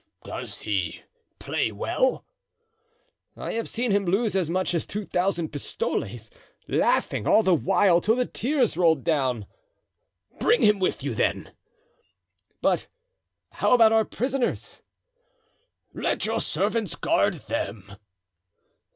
"Does he play well?" "I have seen him lose as much as two thousand pistoles, laughing all the while till the tears rolled down." "Bring him with you, then." "But how about our prisoners?" "Let your servants guard them."